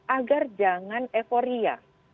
agar jangan euforia